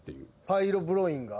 パイロブロインが？